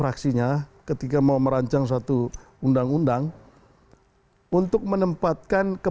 jadi saya kira dari ujung samarwati